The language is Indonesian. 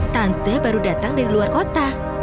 tante baru datang dari luar kota